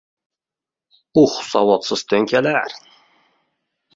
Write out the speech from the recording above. — Uh, savodsiz, to‘nkalar!